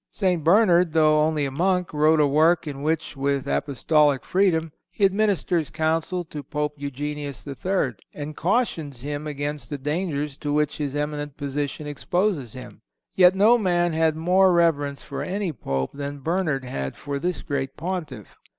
St. Bernard, though only a monk, wrote a work in which, with Apostolic freedom, he administers counsel to Pope Eugenius III., and cautions him against the dangers to which his eminent position exposes him. Yet no man had more reverence for any Pope than Bernard had for this great Pontiff.